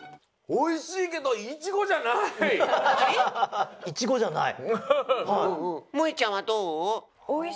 おいしいけどイチゴじゃない。